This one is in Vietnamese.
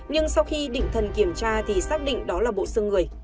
nhưng sau khi định thần kiểm tra thì xác định đó là bộ xương người